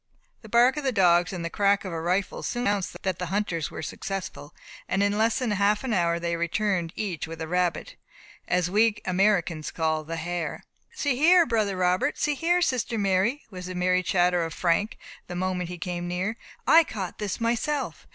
The bark of the dogs and crack of a rifle soon announced that the hunters were successful, and in less than half an hour they returned each with a rabbit, as we Americans call the hare. "See here, brother Robert! See here, sister Mary!" was the merry chatter of Frank, the moment he came near. "I caught this myself.